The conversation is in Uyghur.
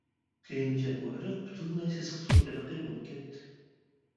كېيىنچە بۇ ئېرىق پۈتۈنلەي سېسىق سۇ ئېرىقى بولۇپ كەتتى.